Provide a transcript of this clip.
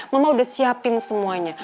mama udah siapin semuanya